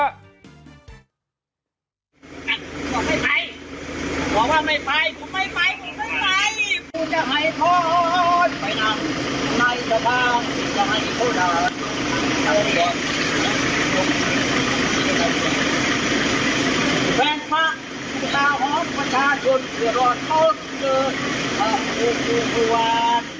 อ้าวผมว่าไม่ไปผมว่าไม่ไปผมไม่ไปผมไม่ไป